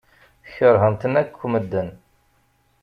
Keṛhen-ten akk medden.